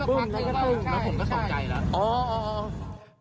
ปึ้มก็พักเลยแล้วผมก็ต้องใจแล้ว